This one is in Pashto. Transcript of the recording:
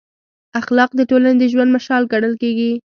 اخلاق د ټولنې د ژوند مشال ګڼل کېږي.